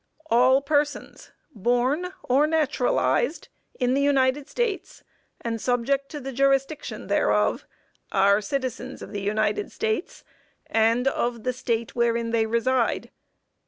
"All persons born or naturalized in the United States, and subject to the jurisdiction thereof, are citizens of the United States and of the State wherein they reside.